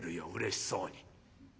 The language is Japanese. うれしそうに。